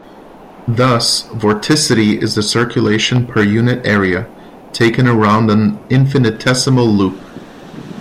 Thus vorticity is the circulation per unit area, taken around an infinitesimal loop.